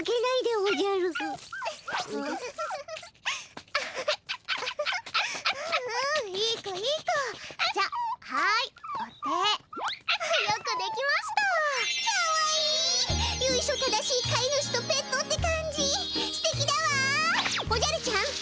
おじゃるちゃん！